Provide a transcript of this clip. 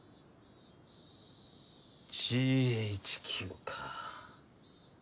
ＧＨＱか。